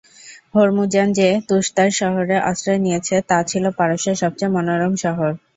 Hormuzan যে তুসতার শহরে আশ্রয় নিয়েছে, তা ছিল পারস্যের সবচেয়ে মনোেরম শহর।